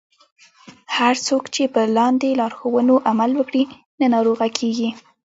هر څوک چې په لاندې لارښوونو عمل وکړي نه ناروغه کیږي.